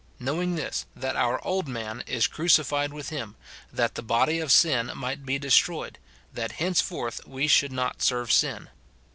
Knowing this, that our old man is crucified with him, that the . body of sin might be de stroyed, that henceforth we should not serve sin."